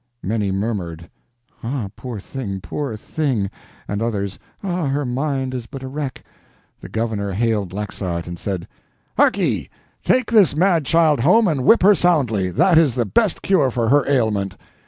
Many murmured, "Ah, poor thing, poor thing!" and others, "Ah, her mind is but a wreck!" The governor hailed Laxart, and said: "Harkye!—take this mad child home and whip her soundly. That is the best cure for her ailment."